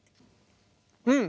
うん。